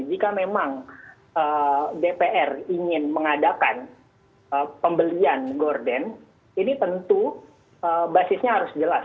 jika memang dpr ingin mengadakan pembelian gorden ini tentu basisnya harus jelas